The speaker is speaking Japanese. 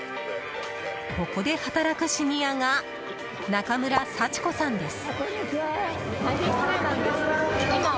ここで働くシニアが中村幸子さんです。